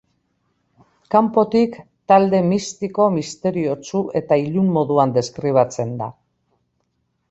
Kanpotik, talde mistiko, misteriotsu eta ilun moduan deskribatzen da.